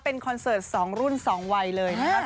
เป็นคอนเสิร์ต๒รุ่น๒วัยเลยนะครับ